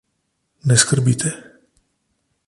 Ne skrbite.